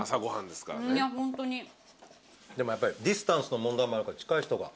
でもやっぱりディスタンスの問題もあるから近い人が。